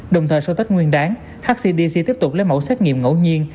đồng thời sau tết nguyên đáng hcdc tiếp tục lấy mẫu xét nghiệm ngẫu nhiên